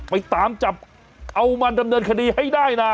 ไปตามจับเอามันดำเนินคดีให้ได้นะ